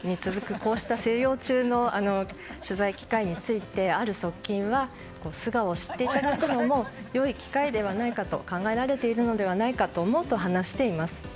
こうした静養中の取材機会についてある側近は素顔を知っていただくのも良い機会ではないかと考えられているのではないかと思うと話しています。